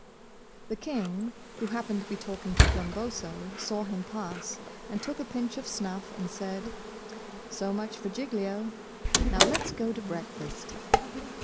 The King, who happened to be talking to Glumboso, saw him pass, and took a pinch of snuff and said, 'So much for Giglio. Now let's go to breakfast.